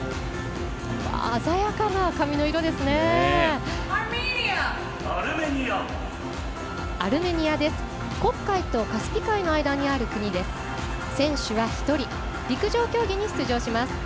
鮮やかな髪の色ですね。